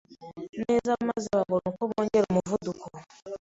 neza maze babone uko bongera umuvuduko;